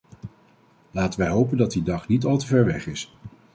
Laten wij hopen dat die dag niet al te ver weg is.